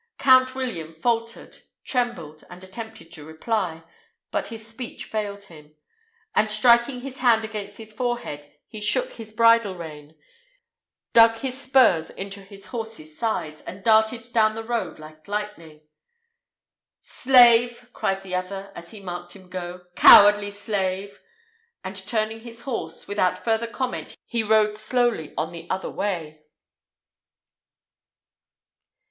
Count William faltered, trembled, and attempted to reply, but his speech failed him; and, striking his hand against his forehead, he shook his bridle rein, dug his spurs into his horse's sides, and darted down the road like lightning. "Slave!" cried the other, as he marked him go; "cowardly slave!" and, turning his horse, without further comment he rode slowly on the other way.